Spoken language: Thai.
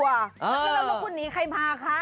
แล้วรถคุณหนีใครมาคะ